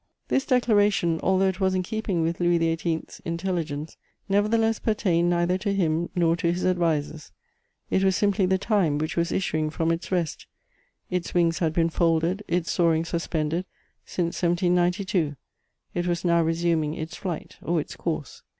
This declaration, although it was in keeping with Louis XVIII.'s intelligence, nevertheless pertained neither to him nor to his advisers; it was simply the time which was issuing from its rest: its wings had been folded, its soaring suspended since 1792; it was now resuming its flight, or its course.